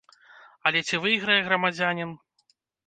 Але ці выйграе грамадзянін?